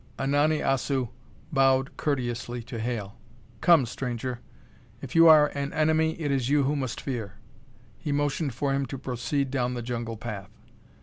Unani Assu bowed courteously to Hale. "Come, stranger. If you are an enemy, it is you who must fear." He motioned for him to proceed down the jungle path.